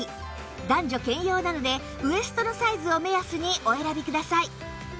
男女兼用なのでウエストのサイズを目安にお選びください